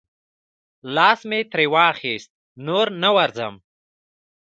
لاس مې ترې واخیست، نور نه ورځم.